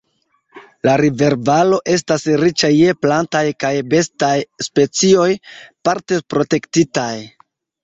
La river-valo estas riĉa je plantaj kaj bestaj specioj, parte protektitaj.